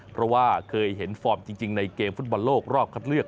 เพราะว่าเคยเห็นฟอร์มจริงในเกมฟุตบอลโลกรอบคัดเลือก